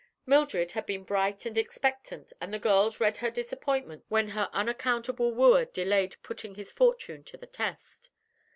Mildred had been bright and expectant and the girls read her disappointment when her unaccountable wooer delayed putting his fortune to the test.